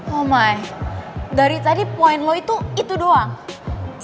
oh my dari tadi point lo itu itu doang